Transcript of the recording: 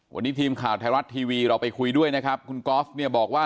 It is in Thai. วันนี้ทีมข่าวไทยรัฐทีวีเราไปคุยด้วยนะครับคุณกอล์ฟเนี่ยบอกว่า